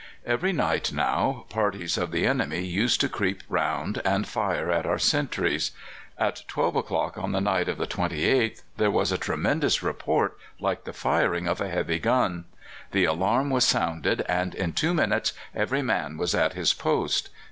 Every night now parties of the enemy used to creep round and fire at our sentries. At twelve o'clock on the night of the 28th there was a tremendous report, like the firing of a heavy gun. The alarm was sounded, and in two minutes every man was at his post.